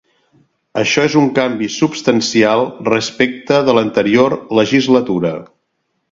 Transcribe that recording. Això és un canvi substancial respecte de l’anterior legislatura.